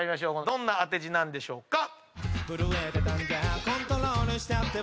どんな当て字なんでしょうか？